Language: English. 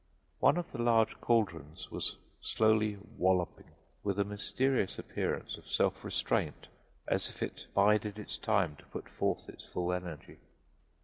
One of the large cauldrons was slowly "walloping" with a mysterious appearance of self restraint, as if it bided its time to put forth its full energy.